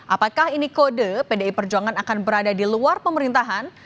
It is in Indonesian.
apakah ini kode pdi perjuangan akan berada di luar pemerintahan